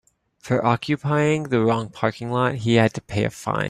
For occupying the wrong parking lot he had to pay a fine.